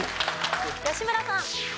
吉村さん。